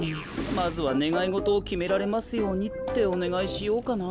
まずは「ねがいごとをきめられますように」っておねがいしようかな。